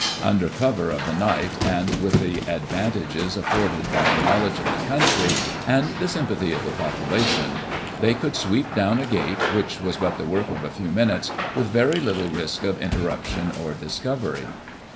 Under cover of the night, and with the advantages afforded by a knowledge of the country, and the sympathy of the population, they could sweep down a gate, which was but the work of a few minutes, with very little risk of interruption or discovery.